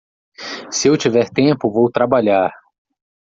Se eu tiver tempo, vou trabalhar.